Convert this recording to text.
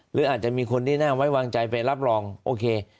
หรืออาจจะมีคนที่น่าไว้วางใจไปรับรองโอเค